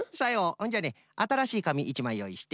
ほんじゃねあたらしいかみ１まいよういして。